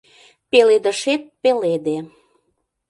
Пеледышет пеледе.